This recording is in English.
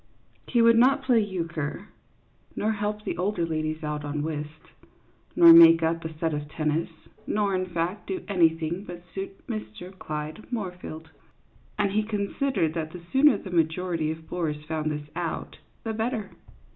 He would not play euchre, nor help the older ladies out on whist, nor make up a set of tennis, nor, in fact, do anything but suit Mr. Clyde Moorfield ; and he con sidered that the sooner the majority of bores found this out the better.